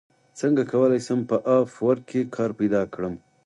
څنګه کولی شم په اپ ورک کې کار پیدا کړم